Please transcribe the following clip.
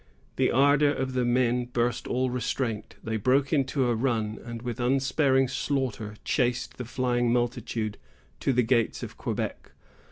The ardor of the men burst all restraint. They broke into a run, and with unsparing slaughter chased the flying multitude to the gates of Quebec.